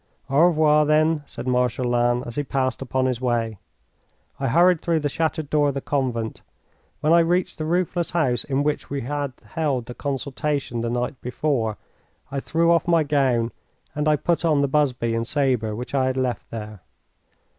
"Au revoir, then," said Marshal Lannes, as he passed upon his way. I hurried through the shattered door of the convent. When I reached the roofless house in which we had held the consultation the night before, I threw off my gown and I put on the busby and sabre which I had left there.